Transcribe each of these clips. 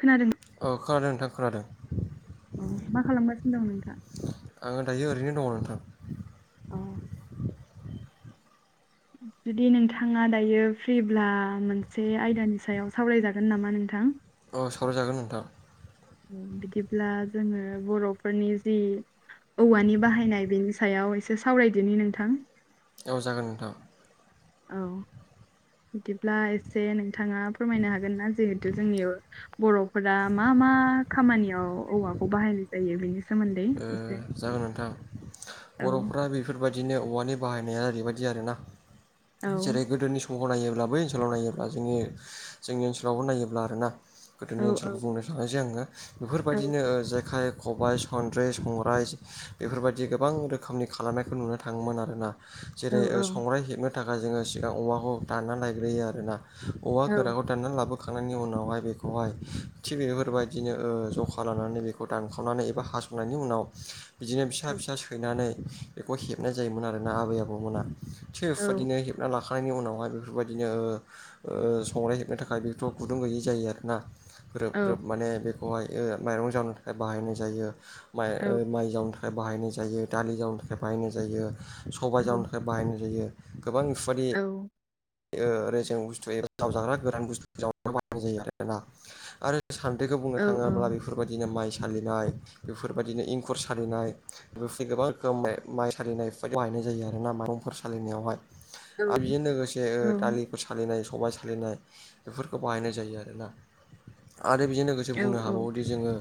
खोनादों औ खोनादों नोंथां खोनादों अ मा खालामगासिनो दं नोंथाङा आङो दायो ओरैनो दङ नोंथां अ जुदि नोंथाङा दायो फ्रिब्ला मोनसे आयदानि सायाव सावरायजागोन नामा नोंथां अ सावरायजागोन नोंथां बिदिब्ला जोङो बर'फोरनि जि औवानि बाहायनाय बेनि सायाव एसे सावरायदोनि नोंथां औ जागोन नोंथां औ बिदिब्ला एसे नोंथाङा फोरमायनो हागोनना जिहेथु जोंनियाव बर'फोरा मा मा खामानियाव औवाखौ बाहायनाय जायो बेनि सोमोन्दै ओ एसे जागोन नोंथां औ बर'फोरा बे फोरबायदिनो औवानि बाहायनाया ओरैबायदि आरोना औ जेरै गोदोनि स मखौ नायोब्ला बै ओनसोलाव नायोब्ला जोंनि जोंनि ओनसोलावबो नायोब्ला आरोना औ गोदोनि ओनसोलखौ बुंनो थांनोसै आङो औ बेफोरबायदिनो जेखाइ खबाइ सनद्रि संग्राइ बेफोरबायदि गोबां रोखोमनि खालामनायखौ नुनो थाङोमोन आरोना औ जेरै संग्राइ हेबनो थाखाय जोङो सिगां औवाखौ दानना लायग्रोयो आरोना औवा औ गोराखौ दाननानै लाबोखांनायनि उनावहाय बेखौहाय थिग बेफोरबायदिनो ओ जखा लानानै बेखौ दानखावनानै हास खांनायनि उनाव बिदिनो फिसा फिसा सैनानै बेखौ हेबनाय जायोमोन आरोना आबै आबौमोना थिग औ बेफोरबायदिनो हेबना लाखांनायनि उनावहाय बेफोरबायदिनो संग्राय हेबनो थाखाय बेथ गुदुं गैयै जायो आरोना ग्रोब ग्रोब औ माने बेखौहाय माइरं जवनो थाखाय बाहायनाय जायो माइ माइ जावनो थाखाय बाहायनाय जायो दालि जावनो थाखाय बाहायनाय जायो सबायाइ औ जावनो थाखाय बाहायनाय जायो गोबां बेफोरबादि औ रेजें बुस्थु जावजाग्रा गोरान बुस्थु जावनायाव बाहायनाय जायो आरोना आरो सानद्रिखौ औ बुंनो औ थाङोब्ला बे फोरबायदिनो माइ सालिनाय बेफोरबायदिनो एंखुर सालिनाय बेफोरबायदि गोबां खौ माइ सालिनायाव बाहायनाय जायो आरोना माइरंफोर सालिनायावहाय औ आरो बेजों लोगोसे औ दालि सालिनाय सबाय सालिनाय बेफोरखौ बाहायनाय जायो आरोना आरो बेजों लोगो जों औ बुंनो औ हाबावोदि जोङो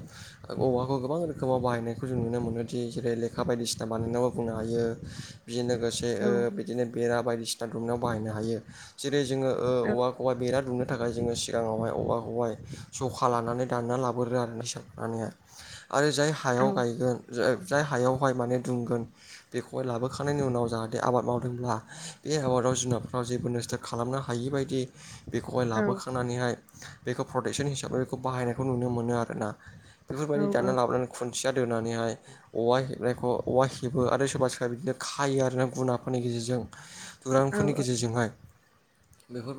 औवाखौ गोबां रोखोमाव बाहायनायखौ जों नुनो मोनोदि जेरै लेखा बायदिसिना बानायनायावबो बुंनो हायो बेजों लोगोसे औ ओ बिदिनो बेरा बायदिसिना दुमनायाव बाहायनो हायो जेरै जोङो ओ औवा औबेबा बेरा दुनो थाखाय जोङो सिगाङावहाय औवाखौेहाय जखा लानानै दानना लाबो गोरो आरो [unintelligible] आरो जाय हायाव गायगोन जाय हायावहाय माने दुंगोन बेखौहाय लाबोखांनायनि उनाव जाहाथे आबाद मावदोंब्ला बे आबादाव जुनार जेबो नस्था खालामनो हायि बायदि बेखौहाय लाबोखां नानैहाय बेखौ प्रटेकसन हिसाबै बेखौ बाहायनायखौ नुनो मोन आरोना बेफोरबायदि दानना लाबोनानै खुन्थिया दोनानैहाय औवा हेबनायखौ औवा हेबो आरो सोरबा सोरबा बिदिनो खायो आरोना गुनाफोरनि गेजेरजों औ दुरांफोरनि गेजेरजोंहाय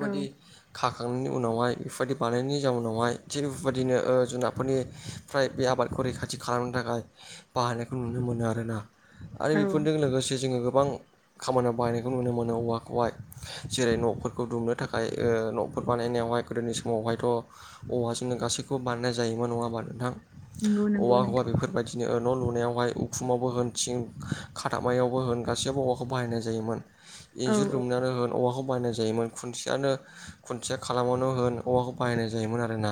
औ खाखांनायनि उनावहाय बेफोरबायदि बानायनायनि जाउनावहाय थिग बेफोरबायदिनो ओ जुनारफोरनि फ्राय बे आबादखौ रैखाथि खालामनो थाखाय बाहायनायखौ नुनो मोनो आरोना आरो औ बेफोरजों लोगोसे जोङो गोबां खामानियाव बाहायनायखौ नुनो मोनो औवा खौहाय जेरै न'फोरखौ दुमनो थाखाय न'फोर बानायनायावहाय गोदोनि समावहायथ औवाजोंनो गासैखौबो बानायनाय जायोमोन नङा होमबा नोंथां नंगौ नंगौ औवा होनबा नोंथां बेफोरबायदि बिदिनो न' लुनायावहाय उखुमावबो होन थिं खाथाबनायावबो होन गासैबो औवाखौ बाहायनाय जायोमोन इन्जुर औ दुमनायावनो औवाखौ बायनाय जायोमोन खुन्थियानो खुन्थिया खालामाबानो होन औवाखौ बाहायनाय जायोमोन आरोना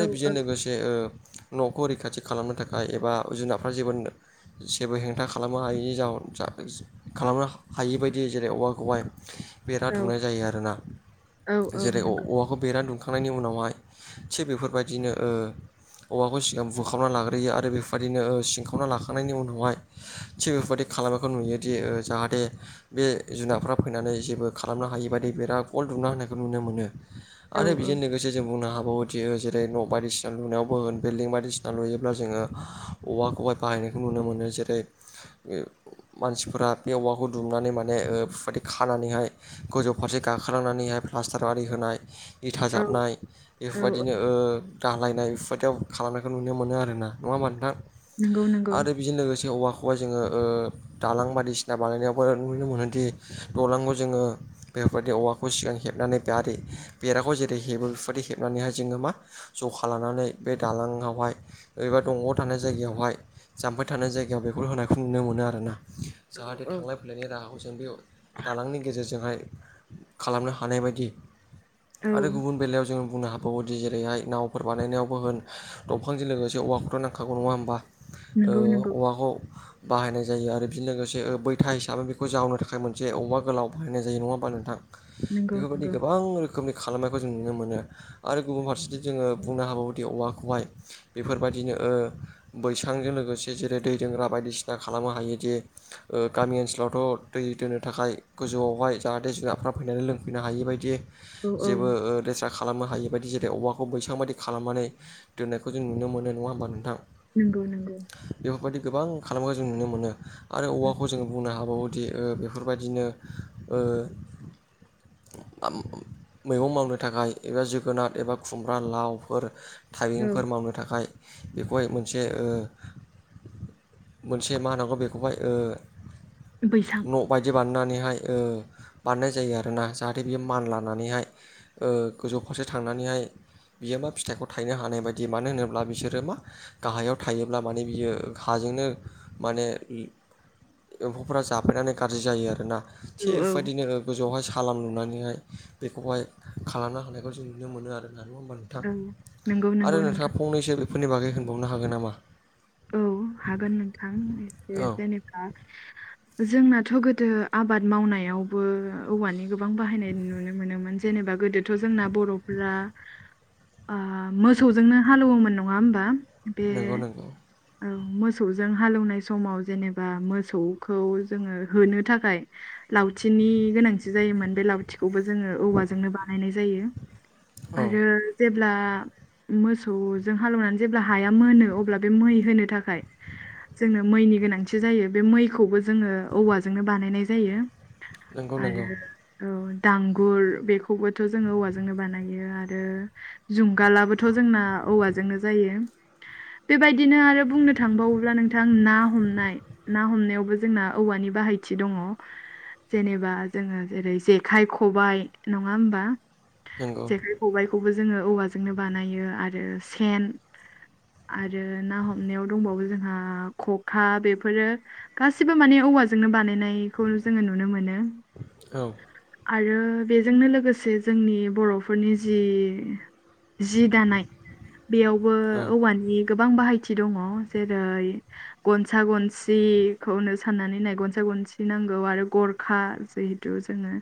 औ बेजों औ लोगोसे जे ओ न'खौ रैखाथि खालामनो थाखाय एबा जुनारफ्रा जेबो जेबो हेंथा खालामनो हायिनि खालामनो हायि बायदि जेरै अबेबा [unintelligible] बेखौहाय बेरा औ दुंनाय जायो आरोना औ औ जेरै नंगौ औवाखौ बेरा दुम [unintelligible] खांनायनि उनावहाय थिग बेफोरबायदिनो औवाखौ सिगां बुखावना लाग्रोयो आरो बेफोरबायदिनो सिंखावना लाखांनायनि उनावहाय थिग बेफोरबायदि खालामनायखौ नुयोदि जाहाथे बे जुनार फोरा फैनानै जेबो खालामनो हायि बादि बिराद अवाल दुमना होनायखौ नुनो मोनो औ आरो औ बेजों लोगोसे फारसे जों बुंनो हाबावोदियो जेरै न' बायदिसिना लुनायावबो होन बिल्डिं बायदिसिना लुयोब्ला जोङो औवाखौहाय बाहायनायखौ नुनो मोनो जेरै मानसिफोरा बे औवाखौ दुमनानै माने बे बायदि खानानैहाय गोजौ फारसे गाखोलांनानैहाय प्लास्टार आरि होनाय इथा औ जाबनाय औ बेफोरबायदिनो घालायनाय बेफोरबायदियाव खालामनायखौ नुनो मोनो आरोना नङा होमबा नोंथां नंगौ नंगौ आरो बेजों लोगोसे औवाखौहाय जोङो दालां बायदिसिना बानायनायावबो नुनो मोनोदि दालांखौ जोङो [unintelligible] बेफोरबायदि औवाखौ सिगां हेबनानै दारि बेराखौ जेरै हेबो बेफोरदि हेबनानैहाय जोङो मा जखा लानानै बे दालां आवहाय एबा दंग'आव थानाय जायगायावहाय जाम्फै थानाय जायगायाव बेखौ होनायखौ नुनो मोनो आरो ना औ जाहाथे औ थांलाय फैलायनि राहाखौ जों बे दालांनि गेजेरजोंहाय खालामनो हानाय बायदि औ आरो गुबुन बेलायाव जोंङो बुंनो हाबावो बेदि जेरैहाय नावफोर बानायनायावबो होन दंफांजों लोगोसे औवाखौथ' नांखागौ नङा होमबा नंगौ नंगौ औवाखौ बाहायनाय जायो आरो बेजों लोगोसे बैथा हिसाबै बेखौ जावनो थाखाय मोनसे जे औवा गोलाउ बाहायनाय जायो नङा होनबा नोंथां नंगौ बेफोरबायदि नंगौ गोबां रोखोम रोखोमनि खालामनायखौ जों नुनो मोनो आरो गुबुन फारसेथिं जोङो बुंनो हाबावोदि औवाखौहाय बेफोरबायदिनो बैसांजों लोगोसे जेरै दै दोनग्रा बायदिसिना खालामनो हायोदि गामि ओनसोलावथ' दै दोनो थाखाय गोजौआवहाय जाहाथे जुनारफ्रा फैनानै लोंफैनो हायै बायदि औ औ जेबो लेथेरा खालामनो हायि बायदि जेरै औवाखौ बैसां बायदि खालामनानै दोननायखौ जों नुनो मोनो नङा होमबा नोंथां नंगौ नंगौ बेफोरबायदि गोबां खालामनायखौ जों नुनो मोनो आरो औवाखौ जोंङो बुंनो हाबावोदि बेफोरबायदिनो ओ मैगं मावनो थाखाय एबा जोगोनार एबा खुमब्रा लावफोर औ थाइबेंफोर मावनो थाखाय बेखौहाय मोनसे मोनसे मा होननांगौ बेखौहाय ओ बैसां न' बायदि बानायनानैहाय बानायनाय जायो आरोना जाहाथे बियो मानलानानैहाय ओ गोजौ फारसे थांनानैहाय बियो मा फिथाइखौ थायनो हानाय बायदि मानो होनोब्ला बिसोरो मा गाहायाव थायोब्ला माने बियो हाजोंनो माने एम्फौफोरा जाफायनानै गाज्रि जायो आरोना औ थिग औ बेबायदिनो गोजौआवहाय सालाम लुनानैहाय बेखौहाय खालामनो हानायखौ जों नुनो मोनो आरो ना नङा होमबा नोंथां औ नंगौ आरो नंगौ नोंथां नोंथाङा फंनैसो बेफोरनि बागै होनबावनो हागोन नामा औ हागोन नोंथां एसे औ जेनेबा जोंनाथ' गोदो आबाद मावनायावबो औवानि गोबां बायनाय नुनो मोनोमोन जेनेबा गोदोथ' जोंना बर'फोरा मोसौजोंनो हालौएवोमोन नङा होमबा बे नंगौ नंगौ औ मोसौजों हालौवनाय समाव जेनेबा मोसौखौ जोङो होनो थाखाय लावथिनि गोनांथि जायोमोन बे लावथिखौबो जोङो औवाजोंनो बानायनाय जायो औ आरो जेब्ला मोसौजों हालेएवनानै जेब्ला हाया मोनो अब्ला बे मै होनो थाखाय जोंनो मैनि गोनांथि जायो बे मैखौबो जोङो औवाजोंनो बानायनाय जायो। नंगौ नंगौ आरो। औ दांगुर बेखौबोथ' जोङो औवाजोंनो बानायो आरो जुंगालाबोथ' जोंना औवाजोंनो जायो। बेबायदिनो आरो बुंनो थांबावोब्ला नोंथां ना हमनाय ना हमनायावबो जोंना औवानि बाहायथि दङ। जेनेबा जोङो जेरै जेखाइ खबाइ नङा होमबा? नंगौ जेखाइ खबायखौबो जोङो औवाजोंनो बानायो आरो सेन आरो ना हमनायाव दंबावो जोंहा खखा बेफोरो गासिबो माने औवाजोंनो बानायनायखौ जोङो नुनो मोनो। औ। आरो बेजोंनो लोगोसे जोंनि बर'फोरनि जि जि दानाय बेयावबो औ औवानि गोबां बाहायथि दङ जेरै- गनसा गनसिखौनो साननानै नाय गनसा गनसि नांगौ आरो गरखा जोङो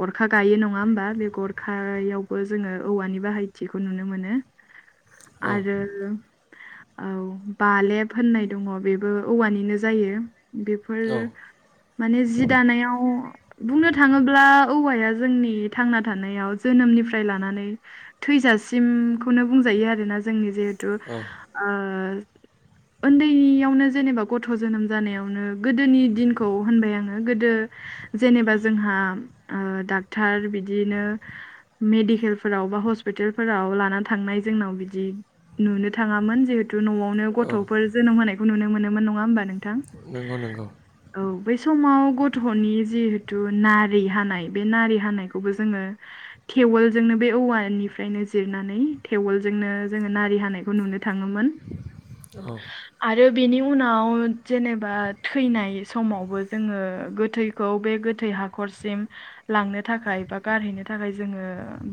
गरखा गायो नङा होमबा बे गरखायावबो जोङो औवानि बाहायथिखौ नुनो मोनो। आरो औ बालेब होननाय दङ बेबो औवानिनो जायो। बेफोर औ माने जि दानायाव बुंनो थाङो ब्ला औवाया जोंनि थांना थानायाव जोनोमनिफ्राय लानानै थैजासिमखौनो बुंजायो आरोना जोंनि जिहेथु औ ओ उन्दैयावनो जेनेबा गथ' जोनोम जानायावनो गोदोनि दिनखौ होनबाय आङो गोदो जेनेबा जोंहा डाक्टर बिदिनो मेडिकेलफोराव बा हस्पितालफोराव लाना थांनाय जोंनाव बिदि नुनो थाङामोन जिहेतु न'आवनो औ गथ'फोर जोनोम होनायखौ नुनो मोनोमोन नङा होमबा नों नंगौ नंगौ। औ बै समाव गथ'नि जिहेथु नार रि हानाय बे नारि हानायखौबो जोङो थेवोलजोंनो बे औवानिफ्रायनो जिरनानै थेवोलजोंनो जोङो नारि हानायखौ नुनो थाङोमोन। औ आरो बेनि उनाव जेनेबा थैनाय समावबो जोङो गोथै खौ बे गोथै हाखरसिम लांनो थाखाय बा गारहैनो थाखाय जोङो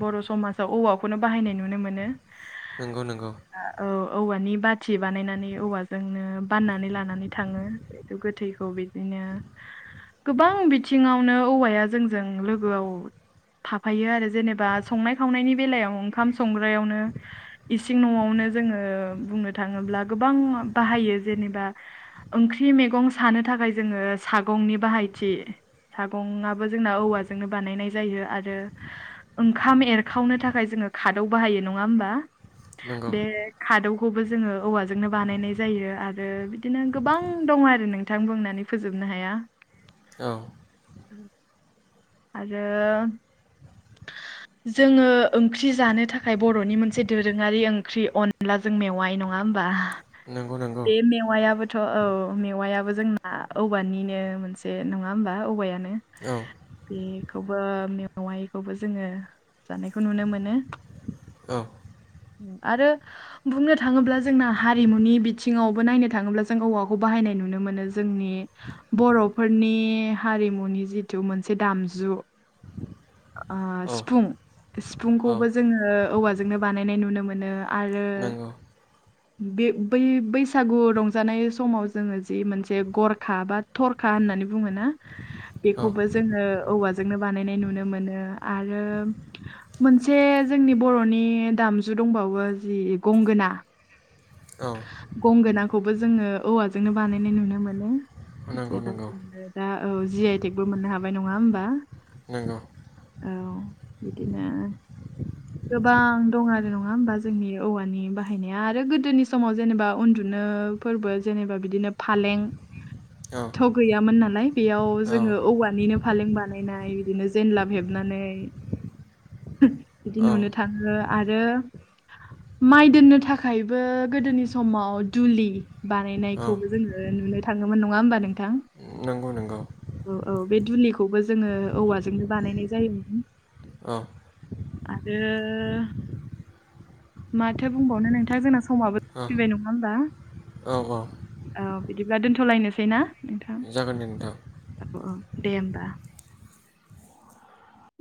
बर' समाजाव औवाखौनो बाहायनाय नुनो मोनो। [inaudible] नंगौ नंगौ। औ औवानि बाथि बानायनानै औवाजोंनो बाननानै लानानै थाङो। गोथैखौ बिदिनो गोबां बिथिङावनो औवाया जोंजों लोगोआव थाफायो आरो जेनेबा संनाय खावनायनि बेलायाव ओंखाम संग्रायावनो सिं न'आवनो जोङो बुंनो थाङोब्ला गोबां बाहायो जेनेबा ओंख्रि मैगं सानो थाखाय जोङो सागंनि बाहायथि गंआबो जोंना औवाजोंनो बानायनाय जायो आरो। ओंखाम एरखावनो थाखाय जोङो खादौ बाहायो नङा होमबा? नंगौ बे खादौखौबो जोङो औवाजोंनो बानायनाय जायो आरो बिदिनो गोबां दङ आरो नोंथां बुंनानै फोजोबनो हाया। औ। उम। आरो जोङो ओंख्रि जानो थाखाय बर'नि मोनसे दोरोङारि ओंख्रि अनला जों मेवाइ नङा होमबा नंगौ नंगौ बे मेवायाबो थ' औ मेवायाबो जोंना औवानिनो मोनसे नङा होमबा औवायानो औ बेखौबो मेवायखौबो जोङो जानायखौ नुनो मोनो औ आरो बुंनो थाङोब्ला जोंना हारिमुनि बिथिङावबो नायनो थाङोब्ला जों औवाखौ बाहायनाय नुनो मोनो जोंनि बर'फोरनि हारिमुनि जिथु मोनसे दामजु ओ औ सिफुं औ सिफुंखौबो जोङो औवाजोंनो बानायनाय नुनो मोनो आरो नंगौ बे बै बैसागु रंजानाय समाव जोङो जि मोनसे गरखा बा थरखा होननानै बुङोना औ बेखौबो जोङो औवाजोंनो बानायनाय नुनो मोनो आरो मोनसे जोंनि बर'नि दामजु दंबावो जि गंगोना औ गंगोनाखौबो जोङो औवाजोंनो बानायनाय नुनो मोनो नंगौ नंगौ जेबादि दा औ जि आइ टेकबो मोननो हाबाय नङा होमबा नोंगौ औ बिदिनो गोबां दं आरो नङा होमबा जोंनि औवानि बाहायनाया आरो गोदोनि समाव जेनेबा उन्दुनो फोरबो जेनेबा बिदिनो फालें औ थ' गैयामोन नालाय बेयाव औ जोङो औवानिनो फालें बानायनाय बिदिनो जेनलाब हेबनानै औ बिदि नुनो थाङो आरो माइ दोननो थाखायबो गोदोनि समाव दुलि औ बानायनायखौबो जोङो नुनो थाङोमोन नङा होमबा नोंथां नंगौ नंगौ औ औ बे दुलिखौबो जोङो औवाजोंनो बानायनाय जायोमोन औ आरो माथो बुंबावनो नोंथां जोंना समाबो औ फैबाय नङा होमबा औ औ औ बिदिब्ला दोनथ'लायनोसै ना नोंथां जागोन दे नोंथां औ औ दे होमबा।